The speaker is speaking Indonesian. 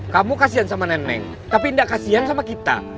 kamu kasian sama neneng tapi enggak kasian sama kita